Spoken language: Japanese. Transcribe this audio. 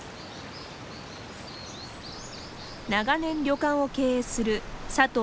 長年旅館を経営する佐藤